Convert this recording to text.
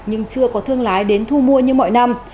nhưng chưa có thương lái đến thu mua như mọi năm